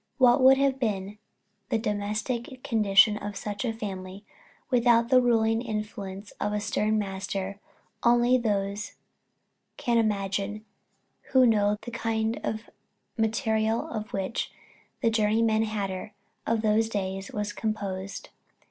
What would have been the domestic condition of such a family without the ruling influence of a stern master only those can imagine who know the kind of material of which the journeyman hatter of those days was composed.